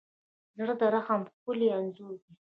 زړه د رحم ښکلی انځور دی.